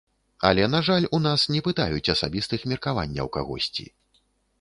Але, на жаль, у нас не пытаюць асабістых меркаванняў кагосьці.